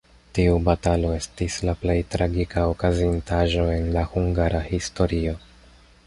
Tiu batalo estis la plej tragika okazintaĵo en la hungara historio.